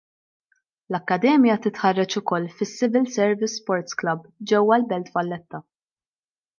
L-akkademja titħarreġ ukoll fis-Civil Service Sports Club ġewwa l-Belt Valletta.